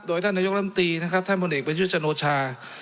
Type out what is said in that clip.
โดยท่านนายกล้ามตีนะครับท่านผู้เด็กเป็นชื่อจโนชา